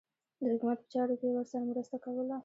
د حکومت په چارو کې یې ورسره مرسته کوله.